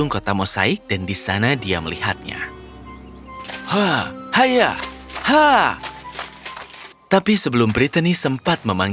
kami adalah teman baik sekarang kami adalah teman baik sekarang